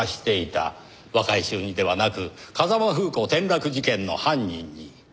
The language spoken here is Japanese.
若い衆にではなく風間楓子転落事件の犯人に。